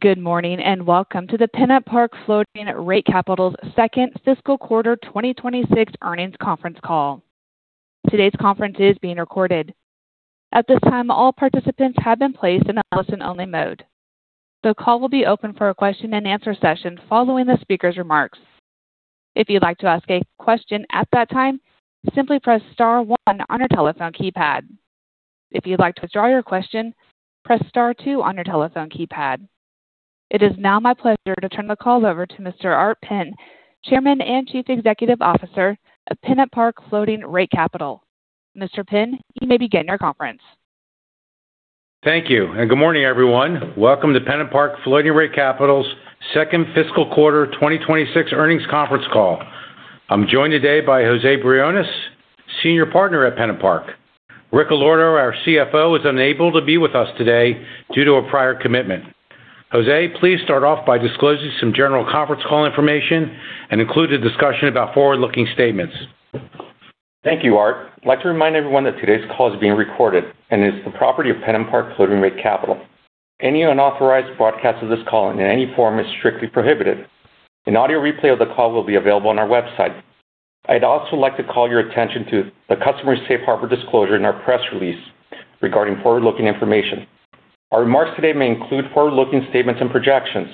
Good morning, welcome to the PennantPark Floating Rate Capital's second fiscal quarter 2026 earnings conference call. Today's conference is being recorded. At this time, all participants have been placed in a listen-only mode. The call will be open for a question and answer session following the speaker's remarks. If you'd like to ask a question at that time, simply press star one on your telephone keypad. If you'd like to withdraw your question, press star two on your telephone keypad. It is now my pleasure to turn the call over to Mr. Art Penn, Chairman and Chief Executive Officer of PennantPark Floating Rate Capital. Mr. Penn, you may begin your conference. Thank you. Good morning, everyone. Welcome to PennantPark Floating Rate Capital's second fiscal quarter 2026 earnings conference call. I'm joined today by José Briones, Senior Partner at PennantPark. Richard Allorto, our CFO, is unable to be with us today due to a prior commitment. José, please start off by disclosing some general conference call information and include a discussion about forward-looking statements. Thank you, Art. I'd like to remind everyone that today's call is being recorded and is the property of PennantPark Floating Rate Capital. Any unauthorized broadcast of this call in any form is strictly prohibited. An audio replay of the call will be available on our website. I'd also like to call your attention to the customer safe harbor disclosure in our press release regarding forward-looking information. Our remarks today may include forward-looking statements and projections.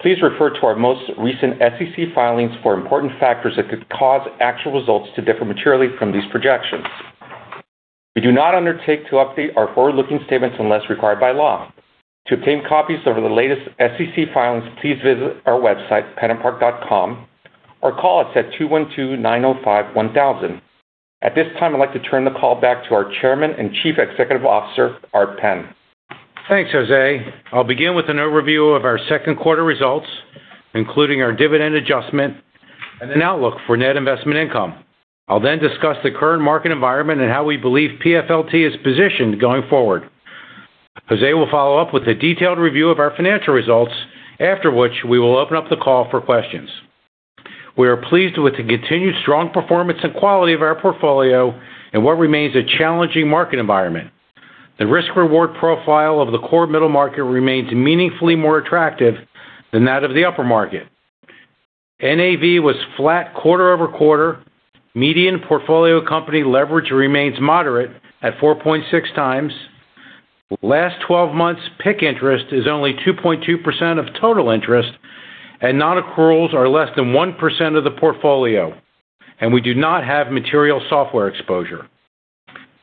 Please refer to our most recent SEC filings for important factors that could cause actual results to differ materially from these projections. We do not undertake to update our forward-looking statements unless required by law. To obtain copies of the latest SEC filings, please visit our website, pennantpark.com, or call us at 212-905-1000. At this time, I'd like to turn the call back to our Chairman and Chief Executive Officer, Art Penn. Thanks, José. I'll begin with an overview of our second quarter results, including our dividend adjustment and an outlook for net investment income. I'll discuss the current market environment and how we believe PFLT is positioned going forward. José will follow up with a detailed review of our financial results, after which we will open up the call for questions. We are pleased with the continued strong performance and quality of our portfolio in what remains a challenging market environment. The risk-reward profile of the core middle market remains meaningfully more attractive than that of the upper market. NAV was flat quarter-over-quarter. Median portfolio company leverage remains moderate at 4.6x. Last 12 months, PIK interest is only 2.2% of total interest, and non-accruals are less than 1% of the portfolio, and we do not have material software exposure.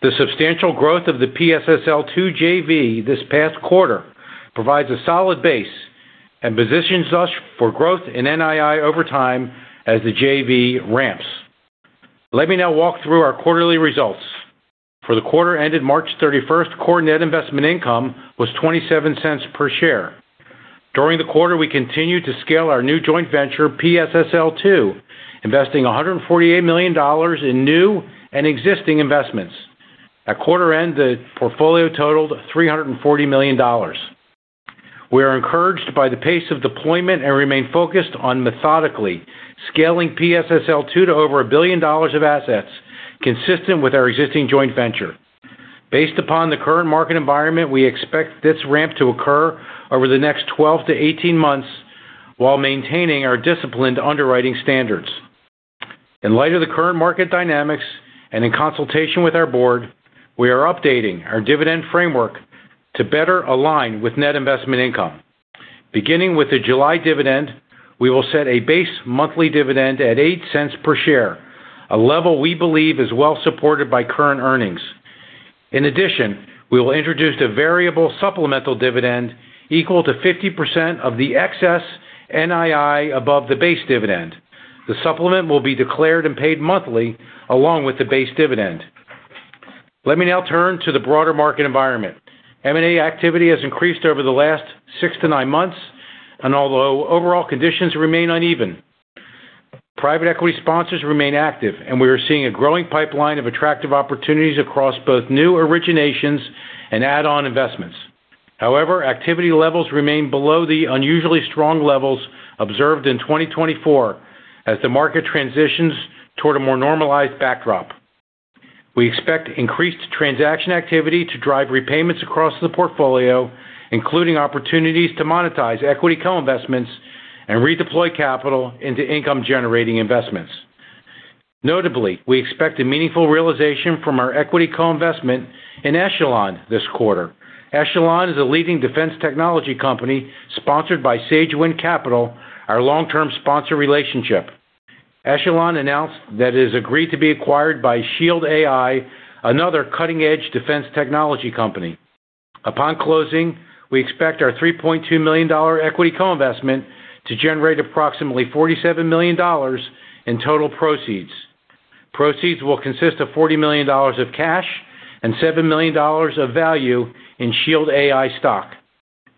The substantial growth of the PSSL II JV this past quarter provides a solid base and positions us for growth in NII over time as the JV ramps. Let me now walk through our quarterly results. For the quarter ended March 31st, core net investment income was $0.27 per share. During the quarter, we continued to scale our new joint venture, PSSL II, investing $148 million in new and existing investments. At quarter end, the portfolio totaled $340 million. We are encouraged by the pace of deployment and remain focused on methodically scaling PSSL II to over $1 billion of assets consistent with our existing joint venture. Based upon the current market environment, we expect this ramp to occur over the next 12-18 months while maintaining our disciplined underwriting standards. In light of the current market dynamics and in consultation with our board, we are updating our dividend framework to better align with net investment income. Beginning with the July dividend, we will set a base monthly dividend at $0.08 per share, a level we believe is well supported by current earnings. In addition, we will introduce a variable supplemental dividend equal to 50% of the excess NII above the base dividend. The supplement will be declared and paid monthly along with the base dividend. Let me now turn to the broader market environment. M&A activity has increased over the last six to nine months, and although overall conditions remain uneven, private equity sponsors remain active, and we are seeing a growing pipeline of attractive opportunities across both new originations and add-on investments. However, activity levels remain below the unusually strong levels observed in 2024 as the market transitions toward a more normalized backdrop. We expect increased transaction activity to drive repayments across the portfolio, including opportunities to monetize equity co-investments and redeploy capital into income-generating investments. Notably, we expect a meaningful realization from our equity co-investment in Echelon this quarter. Echelon is a leading defense technology company sponsored by Sagewind Capital, our long-term sponsor relationship. Echelon announced that it has agreed to be acquired by Shield AI, another cutting-edge defense technology company. Upon closing, we expect our $3.2 million equity co-investment to generate approximately $47 million in total proceeds. Proceeds will consist of $40 million of cash and $7 million of value in Shield AI stock.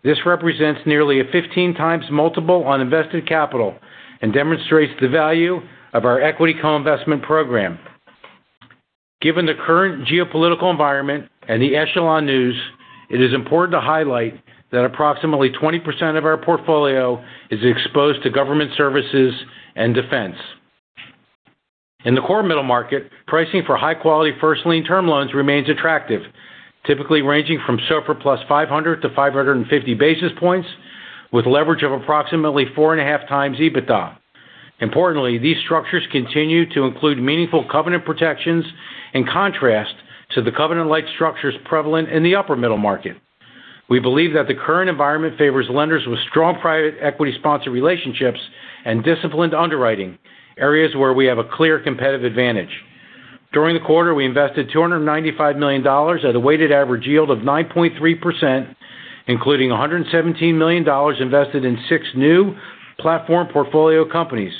This represents nearly a 15 times multiple on invested capital and demonstrates the value of our equity co-investment program. Given the current geopolitical environment and the Echelon news, it is important to highlight that approximately 20% of our portfolio is exposed to government services and defense. In the core middle market, pricing for high quality first lien term loans remains attractive, typically ranging from SOFR+ 500 to 550 basis points with leverage of approximately 4.5x EBITDA. Importantly, these structures continue to include meaningful covenant protections in contrast to the covenant-lite structures prevalent in the upper middle market. We believe that the current environment favors lenders with strong private equity sponsor relationships and disciplined underwriting, areas where we have a clear competitive advantage. During the quarter, we invested $295 million at a weighted average yield of 9.3%, including $117 million invested in six new platform portfolio companies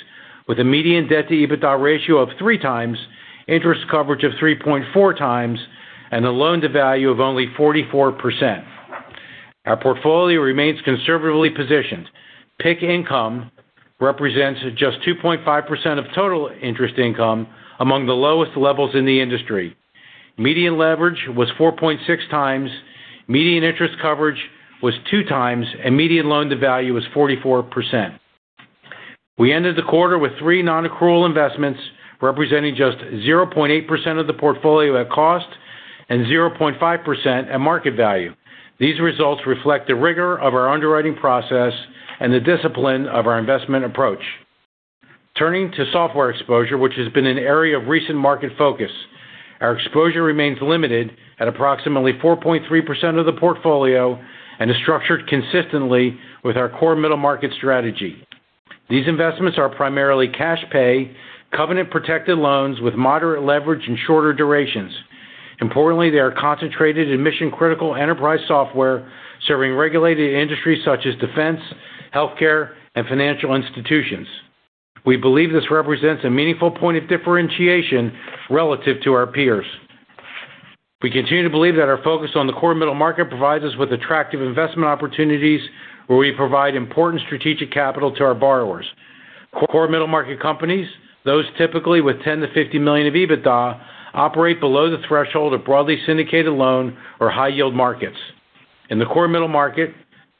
with a median debt to EBITDA ratio of 3x, interest coverage of 3.4x, and a loan to value of only 44%. Our portfolio remains conservatively positioned. PIK income represents just 2.5% of total interest income among the lowest levels in the industry. Median leverage was 4.6x, median interest coverage was 2x, and median loan to value was 44%. We ended the quarter with 3 non-accrual investments, representing just 0.8% of the portfolio at cost and 0.5% at market value. These results reflect the rigor of our underwriting process and the discipline of our investment approach. Turning to software exposure, which has been an area of recent market focus, our exposure remains limited at approximately 4.3% of the portfolio and is structured consistently with our core middle market strategy. These investments are primarily cash pay, covenant-protected loans with moderate leverage and shorter durations. Importantly, they are concentrated in mission-critical enterprise software serving regulated industries such as defense, healthcare, and financial institutions. We believe this represents a meaningful point of differentiation relative to our peers. We continue to believe that our focus on the core middle market provides us with attractive investment opportunities where we provide important strategic capital to our borrowers. Core middle market companies, those typically with 10 million-50 million of EBITDA, operate below the threshold of broadly syndicated loan or high yield markets. In the core middle market,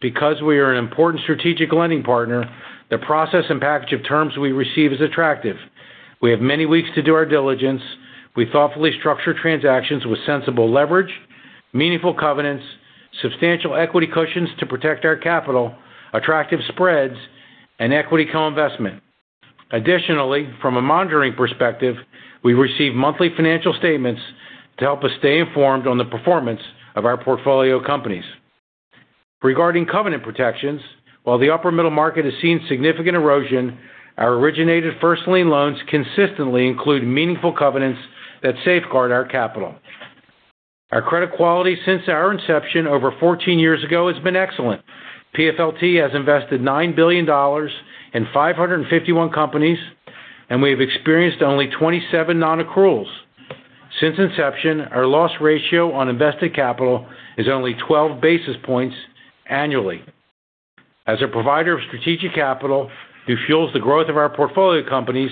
because we are an important strategic lending partner, the process and package of terms we receive is attractive. We have many weeks to do our diligence. We thoughtfully structure transactions with sensible leverage, meaningful covenants, substantial equity cushions to protect our capital, attractive spreads, and equity co-investment. Additionally, from a monitoring perspective, we receive monthly financial statements to help us stay informed on the performance of our portfolio companies. Regarding covenant protections, while the upper middle market has seen significant erosion, our originated first lien loans consistently include meaningful covenants that safeguard our capital. Our credit quality since our inception over 14 years ago has been excellent. PFLT has invested $9 billion in 551 companies, and we have experienced only 27 non-accruals. Since inception, our loss ratio on invested capital is only 12 basis points annually. As a provider of strategic capital who fuels the growth of our portfolio companies,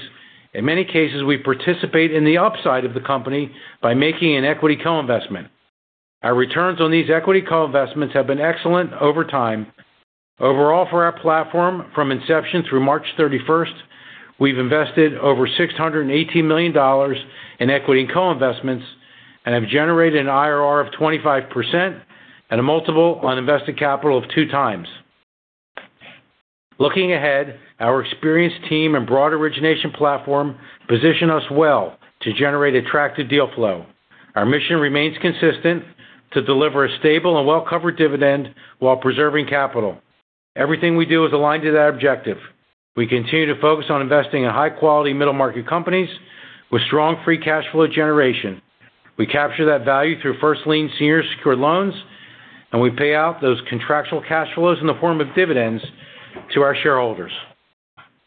in many cases, we participate in the upside of the company by making an equity co-investment. Our returns on these equity co-investments have been excellent over time. Overall, for our platform, from inception through March 31st, we've invested over $618 million in equity and co-investments and have generated an IRR of 25% at a multiple on invested capital of 2x. Looking ahead, our experienced team and broad origination platform position us well to generate attractive deal flow. Our mission remains consistent to deliver a stable and well-covered dividend while preserving capital. Everything we do is aligned to that objective. We continue to focus on investing in high-quality middle market companies with strong free cash flow generation. We capture that value through first lien senior secured loans, and we pay out those contractual cash flows in the form of dividends to our shareholders.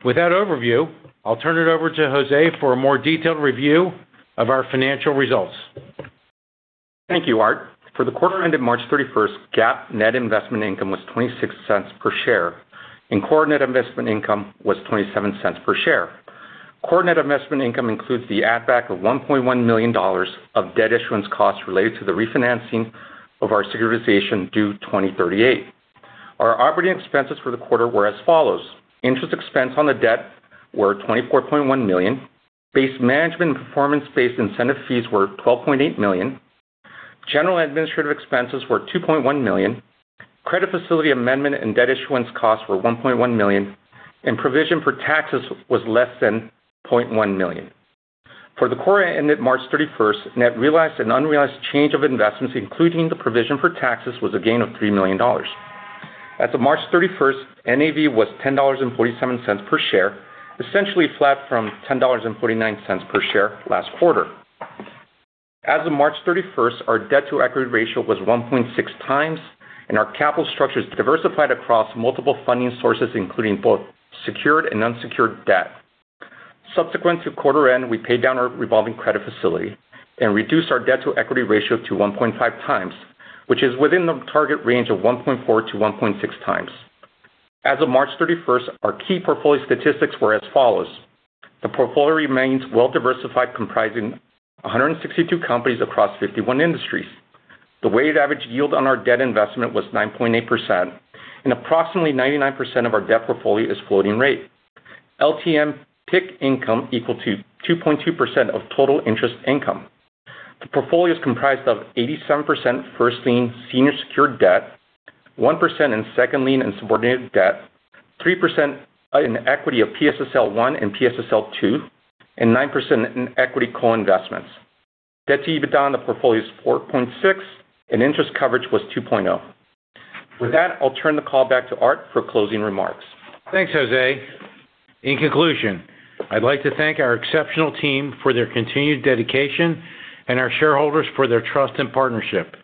With that overview, I'll turn it over to José for a more detailed review of our financial results. Thank you, Art. For the quarter ended March 31st, GAAP net investment income was $0.26 per share and core net investment income was $0.27 per share. Core net investment income includes the add-back of $1.1 million of debt issuance costs related to the refinancing of our securitization due 2038. Our operating expenses for the quarter were as follows: Interest expense on the debt were $24.1 million. Base management and performance-based incentive fees were $12.8 million. General and administrative expenses were $2.1 million. Credit facility amendment and debt issuance costs were $1.1 million. Provision for taxes was less than $0.1 million. For the quarter ended March 31st, net realized and unrealized change of investments, including the provision for taxes, was a gain of $3 million. As of March 31st, NAV was $10.47 per share, essentially flat from $10.49 per share last quarter. As of March 31st, our debt to equity ratio was 1.6x, and our capital structure is diversified across multiple funding sources, including both secured and unsecured debt. Subsequent to quarter end, we paid down our revolving credit facility and reduced our debt to equity ratio to 1.5x, which is within the target range of 1.4x-1.6x. As of March 31st, our key portfolio statistics were as follows. The portfolio remains well-diversified, comprising 162 companies across 51 industries. The weighted average yield on our debt investment was 9.8%. Approximately 99% of our debt portfolio is floating rate. LTM PIK income equal to 2.2% of total interest income. The portfolio is comprised of 87% first lien senior secured debt, 1% in second lien and subordinated debt, 3% in equity of PSSL I and PSSL II, and 9% in equity co-investments. Debt to EBITDA on the portfolio is 4.6, and interest coverage was 2.0. With that, I'll turn the call back to Art for closing remarks. Thanks, José. In conclusion, I'd like to thank our exceptional team for their continued dedication and our shareholders for their trust and partnership.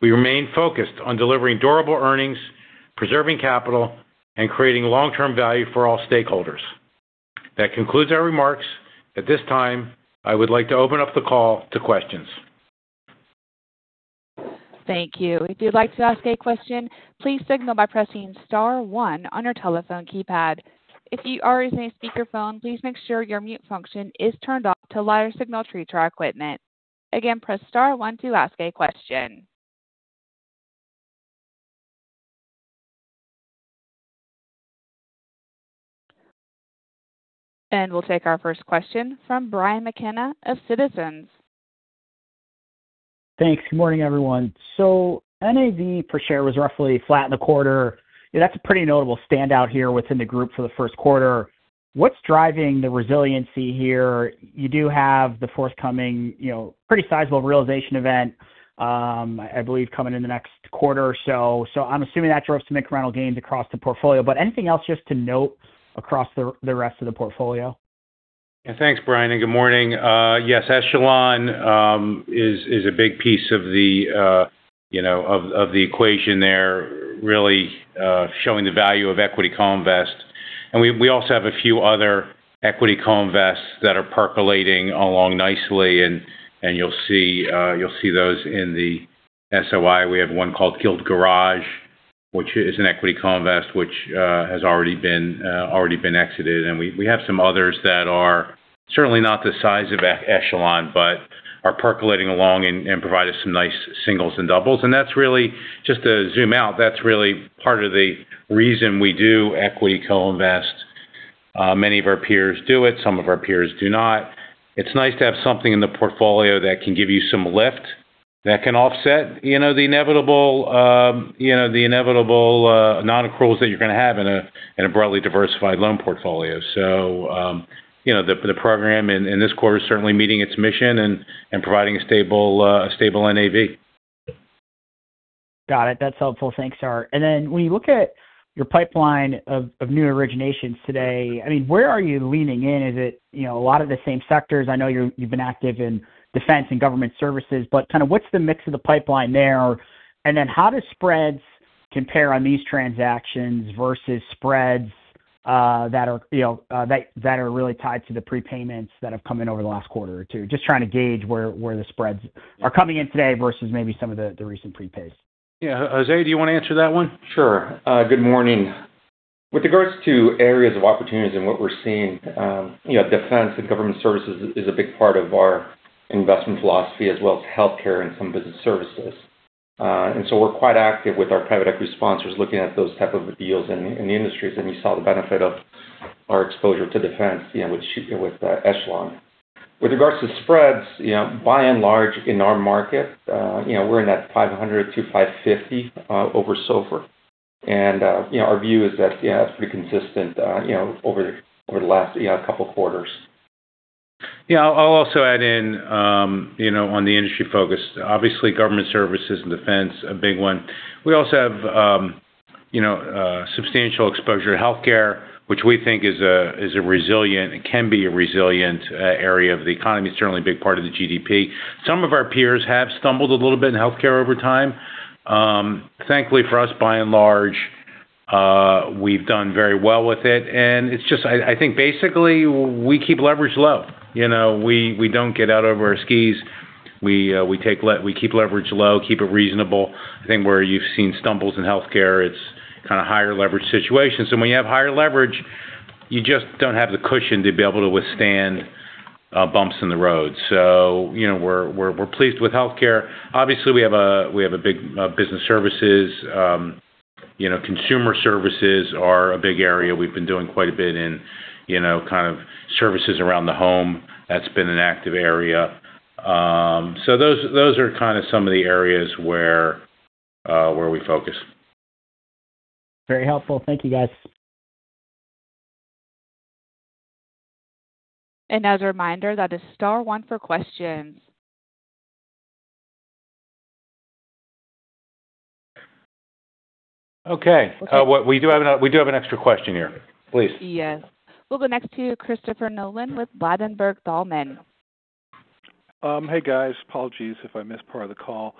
We remain focused on delivering durable earnings, preserving capital, and creating long-term value for all stakeholders. That concludes our remarks. At this time, I would like to open up the call to questions. Thank you. If you'd like to ask a question, please signal by pressing star one on your telephone keypad. If you are using a speakerphone, please make sure your mute function is turned off to allow your signal to reach our equipment. Again, press star one to ask a question. We'll take our first question from Brian McKenna of Citizens. Thanks. Good morning, everyone. NAV per share was roughly flat in the quarter. That's a pretty notable standout here within the group for the first quarter. What's driving the resiliency here? You do have the forthcoming, you know, pretty sizable realization event, I believe coming in the next quarter or so. I'm assuming that drove some incremental gains across the portfolio. Anything else just to note across the rest of the portfolio? Yeah. Thanks, Brian, and good morning. Yes, Echelon is a big piece of the, you know, of the equation there, really showing the value of equity co-invest. We also have a few other equity co-invest that are percolating along nicely, and you'll see those in the SOI. We have one called Guild Garage, which is an equity co-invest which has already been exited. We have some others that are certainly not the size of Echelon, but are percolating along and provide us some nice singles and doubles. That's really, just to zoom out, that's really part of the reason we do equity co-invest. Many of our peers do it, some of our peers do not. It's nice to have something in the portfolio that can give you some lift, that can offset, you know, the inevitable, you know, the inevitable non-accruals that you're gonna have in a, in a broadly diversified loan portfolio. You know, the program in this quarter is certainly meeting its mission and providing a stable, a stable NAV. Got it. That's helpful. Thanks, Art. When you look at your pipeline of new originations today, I mean, where are you leaning in? Is it, you know, a lot of the same sectors? I know you've been active in defense and government services, but kind of what's the mix of the pipeline there? How do spreads compare on these transactions versus spreads that are, you know, really tied to the prepayments that have come in over the last quarter or two? Just trying to gauge where the spreads are coming in today versus maybe some of the recent prepays. Yeah. José, do you wanna answer that one? Sure. Good morning. With regards to areas of opportunities and what we're seeing, you know, defense and government services is a big part of our investment philosophy as well as healthcare and some business services. So we're quite active with our private equity sponsors looking at those type of deals in the industries, and you saw the benefit of our exposure to defense, you know, with Echelon. With regards to spreads, you know, by and large in our market, you know, we're in that 500 to 550 over SOFR. You know, our view is that it's pretty consistent, you know, over the last couple quarters. I'll also add in, you know, on the industry focus. Obviously, government services and defense, a big one. We also have, you know, substantial exposure to healthcare, which we think is a resilient and can be a resilient area of the economy. It's certainly a big part of the GDP. Some of our peers have stumbled a little bit in healthcare over time. Thankfully for us, by and large, we've done very well with it. It's just I think basically we keep leverage low. You know, we don't get out of our skis. We keep leverage low, keep it reasonable. I think where you've seen stumbles in healthcare, it's kind of higher leverage situations. When you have higher leverage, you just don't have the cushion to be able to withstand bumps in the road. You know, we're pleased with healthcare. Obviously, we have a big business services. You know, consumer services are a big area. We've been doing quite a bit in, you know, kind of services around the home. That's been an active area. Those are kind of some of the areas where we focus. Very helpful. Thank you, guys. As a reminder, that is star one for questions. Okay. We do have an extra question here. Please. Yes. We'll go next to Christopher Nolan with Ladenburg Thalmann. Hey, guys. Apologies if I missed part of the call.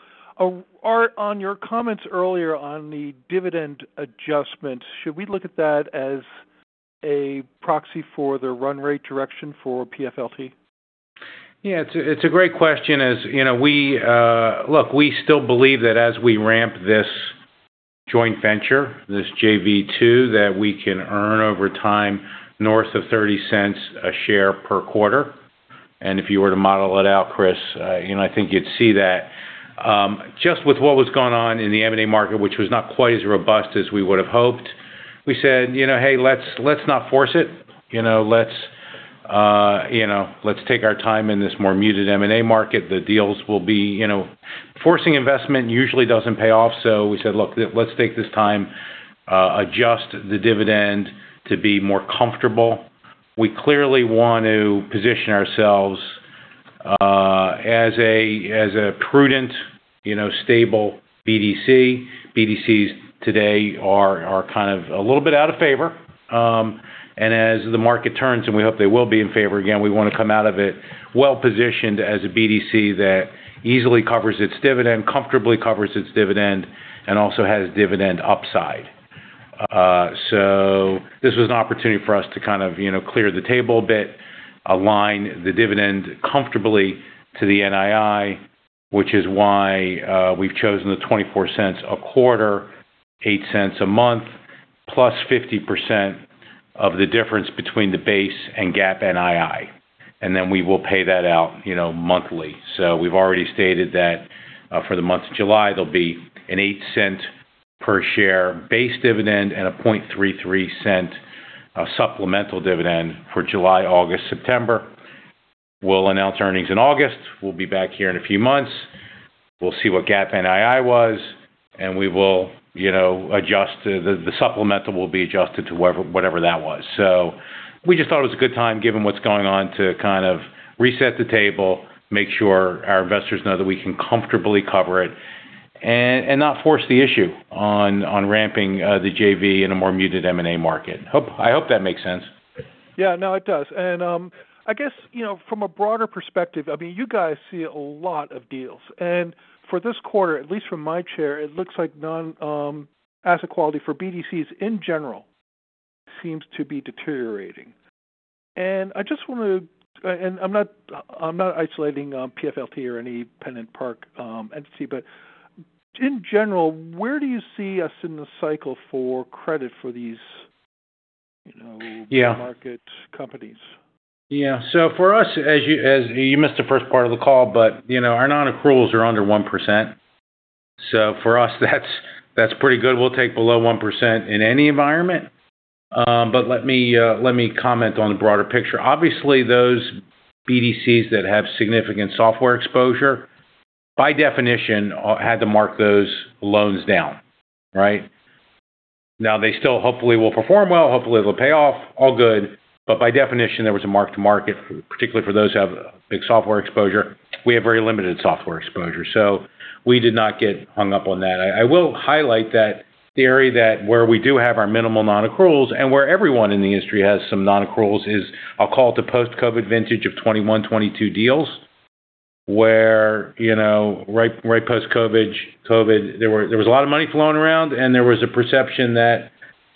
Art, on your comments earlier on the dividend adjustment, should we look at that as a proxy for the run rate direction for PFLT? Yeah. It's a great question. Look, we still believe that as we ramp this Joint Venture, this JV 2, that we can earn over time north of $0.30 a share per quarter. If you were to model it out, Chris, you know, I think you'd see that. Just with what was going on in the M&A market, which was not quite as robust as we would have hoped, we said, "You know, hey, let's not force it." You know, let's take our time in this more muted M&A market. You know, forcing investment usually doesn't pay off, so we said, "Look, let's take this time, adjust the dividend to be more comfortable." We clearly want to position ourselves as a prudent, you know, stable BDC. BDCs today are kind of a little bit out of favor. As the market turns, and we hope they will be in favor again, we wanna come out of it well-positioned as a BDC that easily covers its dividend, comfortably covers its dividend, and also has dividend upside. This was an opportunity for us to kind of, you know, clear the table a bit, align the dividend comfortably to the NII, which is why we've chosen the $0.24 a quarter, $0.08 a month, +50% of the difference between the base and GAAP NII. We will pay that out, you know, monthly. We've already stated that for the month of July, there'll be an $0.08 per share base dividend and a $0.33 supplemental dividend for July, August, September. We'll announce earnings in August. We'll be back here in a few months. We'll see what GAAP NII was, and we will, you know, adjust to the supplemental will be adjusted to whatever that was. We just thought it was a good time, given what's going on, to kind of reset the table, make sure our investors know that we can comfortably cover it and not force the issue on ramping the JV in a more muted M&A market. I hope that makes sense. Yeah, no, it does. I guess, you know, from a broader perspective, I mean, you guys see a lot of deals, and for this quarter, at least from my chair, it looks like non-asset quality for BDCs in general seems to be deteriorating. I'm not isolating PFLT or any PennantPark entity, but in general, where do you see us in the cycle for credit for these, you know, market companies? Yeah. For us, as you missed the first part of the call, you know, our non-accruals are under 1%. For us, that's pretty good. We'll take below 1% in any environment. Let me comment on the broader picture. Obviously, those BDCs that have significant SOFR exposure, by definition, had to mark those loans down, right? Now, they still hopefully will perform well, hopefully will pay off all good, but by definition, there was a mark to market, particularly for those who have big SOFR exposure. We have very limited SOFR exposure, so we did not get hung up on that. I will highlight that theory that where we do have our minimal non-accruals and where everyone in the industry has some non-accruals is, I'll call it the post-COVID vintage of 2021, 2022 deals, where, you know, right post-COVID, there was a lot of money flowing around. There was a perception that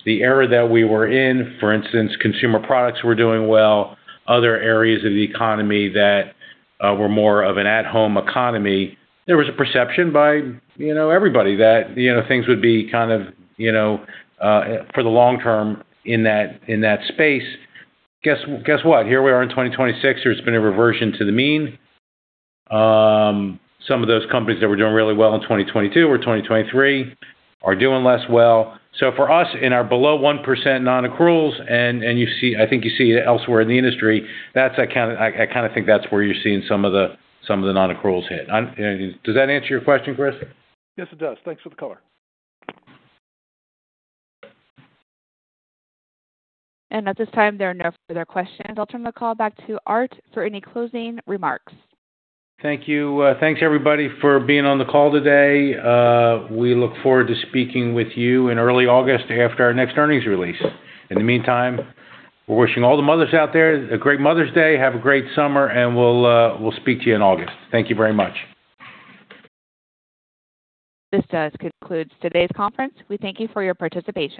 the era that we were in, for instance, consumer products were doing well, other areas of the economy that were more of an at-home economy. There was a perception by, you know, everybody that, you know, things would be kind of, you know, for the long term in that space. Guess what? Here we are in 2026, there's been a reversion to the mean. Some of those companies that were doing really well in 2022 or 2023 are doing less well. For us, in our below 1% non-accruals, and you see it elsewhere in the industry, that's I kinda think that's where you're seeing some of the non-accruals hit. Does that answer your question, Chris? Yes, it does. Thanks for the color. At this time, there are no further questions. I'll turn the call back to Art for any closing remarks. Thank you. Thanks everybody for being on the call today. We look forward to speaking with you in early August after our next earnings release. In the meantime, we're wishing all the mothers out there a great Mother's Day. Have a great summer, and we'll speak to you in August. Thank you very much. This does conclude today's conference. We thank you for your participation.